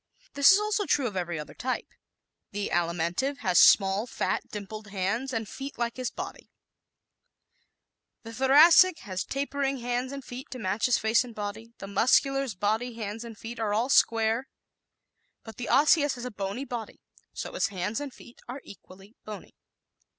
This is also true of every other type. The Alimentive has small, fat, dimpled hands and feet like his body; the Thoracic has tapering hands and feet to match his face and body; the Muscular's body, hands and feet are all square; but the Osseous has a bony body, so his hands and feet are equally bony.